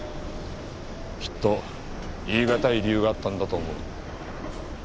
きっと言え難い理由があったんだと思う。